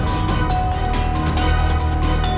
aku akan mencari dia